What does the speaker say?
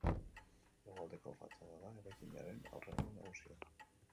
Hegoaldeko fatxada da eraikinaren aurrealde nagusia.